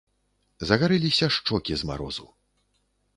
Загарэліся шчокі з марозу.